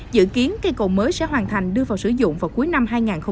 dự kiến cây cầu mới sẽ hoàn thành đưa vào sử dụng vào cuối năm hai nghìn hai mươi